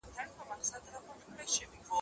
موږ چي ول بالا به موږ وګټو باره وبايلو